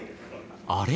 あれ？